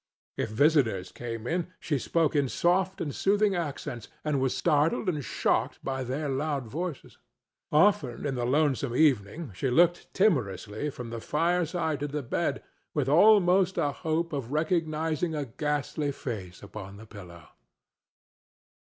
If visitors came in, she spoke in soft and soothing accents, and was startled and shocked by their loud voices. Often in the lonesome evening she looked timorously from the fireside to the bed, with almost a hope of recognizing a ghastly face upon the pillow.